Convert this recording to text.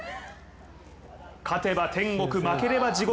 勝てば天国、負ければ地獄。